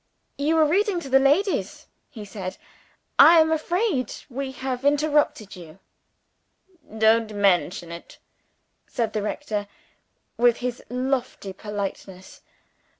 "You were reading to the ladies?" he said. "I am afraid we have interrupted you." "Don't mention it," said the rector, with his lofty politeness.